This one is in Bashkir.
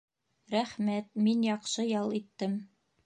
Рәхмәт, мин яҡшы ял иттем.